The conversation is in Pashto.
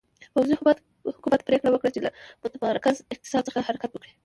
پوځي حکومت پرېکړه وکړه چې له متمرکز اقتصاد څخه حرکت وکړي.